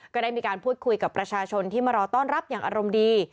ก็ได้มีการพูดคุยกับประชาชนที่มารอต้อนรับอย่างอารมณ์ดี